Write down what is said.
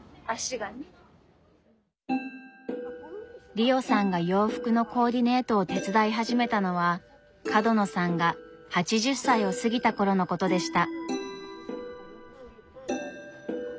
リオさんが洋服のコーディネートを手伝い始めたのは角野さんが８０歳を過ぎた頃のことでした。